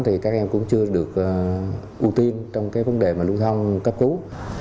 thì các em cũng chưa được ưu tiên trong cái vấn đề mà lưu thông cấp cứu